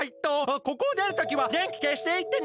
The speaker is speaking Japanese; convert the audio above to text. ここをでるときはでんきけしていってね。